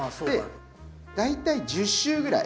大体１０周ぐらい。